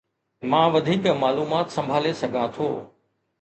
مان وڌيڪ معلومات سنڀالي سگهان ٿو